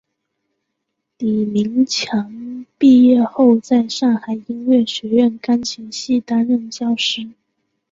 李名强毕业后在上海音乐学院钢琴系担任教师。